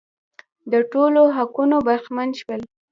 د ټولو حقونو برخمن شول.